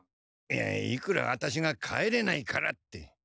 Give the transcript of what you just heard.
いやいくらワタシが帰れないからって。